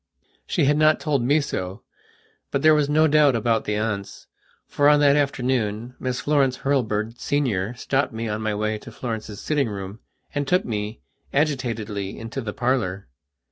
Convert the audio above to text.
She had not told me so, but there was no doubt about the aunts, for, on that afternoon, Miss Florence Hurlbird, Senior, stopped me on my way to Florence's sitting room and took me, agitatedly, into the parlour.